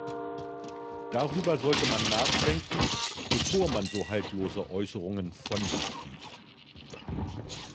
Darüber sollte man nachdenken, bevor man so haltlose Äußerungen von sich gibt.